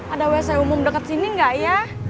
ada wc umum dekat sini nggak ya